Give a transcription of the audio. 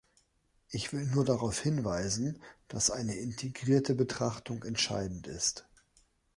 Ich will nur darauf hinweisen, dass eine integrierte Betrachtung entscheidend ist.